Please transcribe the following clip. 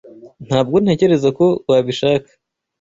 Ntabwo ntekereza ko wabishaka.